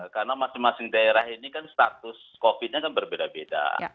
karena masing masing daerah ini kan status covid nya kan berbeda beda